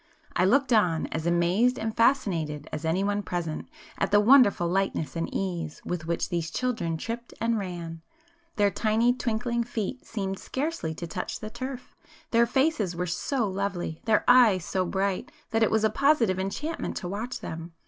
I looked on, as amazed and fascinated as anyone present, at the wonderful lightness and ease with which these children tripped and ran;—their tiny twinkling feet seemed scarcely to touch the turf,—their faces were so lovely,—their eyes so bright, that it was a positive enchantment to watch them.